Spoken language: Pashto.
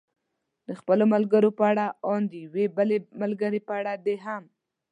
د خپلو ملګرو په اړه، ان د یوې بلې ملګرې په اړه دې هم.